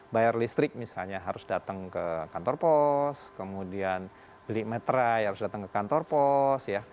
bayar listrik misalnya harus datang ke kantor pos kemudian beli matrai harus datang ke kantor pos ya